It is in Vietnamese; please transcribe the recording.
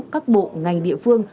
các bộ ngành địa phương